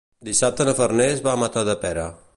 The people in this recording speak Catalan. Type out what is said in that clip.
Dissabte na Farners va a Matadepera.